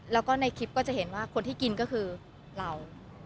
แล้วก็ในคลิปก็จะเห็นว่าคนที่กินก็คือเรา